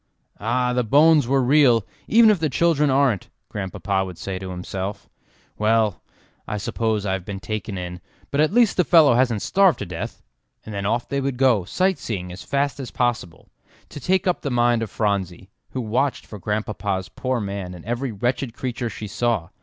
"Ah! the bones were real, even if the children aren't," Grandpapa would say to himself. "Well, I suppose I have been taken in, but at least the fellow hasn't starved to death." And then off they would go sight seeing as fast as possible, to take up the mind of Phronsie, who watched for Grandpapa's poor man in every wretched creature she saw.